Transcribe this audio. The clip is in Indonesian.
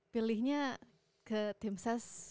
pilihnya ke tim ses